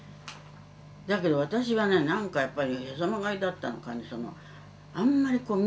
だけど私はね何かやっぱりへそ曲がりだったのかね